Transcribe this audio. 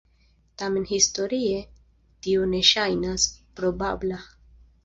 Tamen historie tio ne ŝajnas probabla.